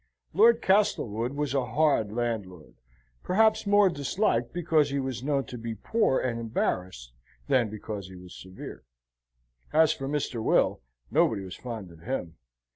Lord Castlewood was a hard landlord: perhaps more disliked because he was known to be poor and embarrassed than because he was severe. As for Mr. Will, nobody was fond of him.